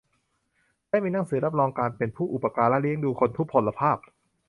และมีหนังสือรับรองการเป็นผู้อุปการะเลี้ยงดูคนทุพพลภาพ